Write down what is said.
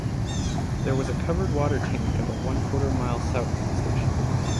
There was a covered water tank about one-quarter mile south of the station.